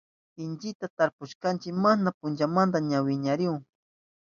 Inchikta tarpushpanchi masna punchamanta ña wiñarinahun.